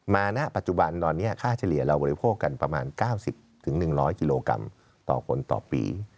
ณปัจจุบันตอนนี้ค่าเฉลี่ยเราบริโภคกันประมาณ๙๐๑๐๐กิโลกรัมต่อคนต่อปี